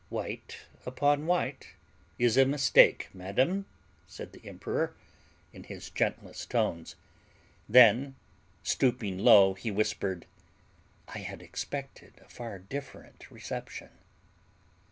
"White upon white is a mistake, madam," said the emperor, in his gentlest tones. Then, stooping low, he whispered, "I had expected a far different reception."